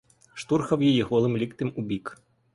Штурхав її голим ліктем у бік.